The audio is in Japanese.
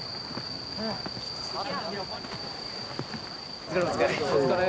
お疲れお疲れ。